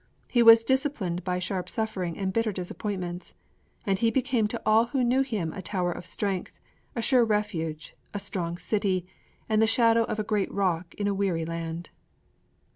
He was disciplined by sharp suffering and bitter disappointments. And he became to all who knew him a tower of strength, a sure refuge, a strong city, and the shadow of a great rock in a weary land.